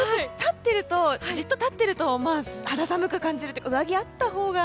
じっと立っていると肌寒く感じるので上着があったほうが。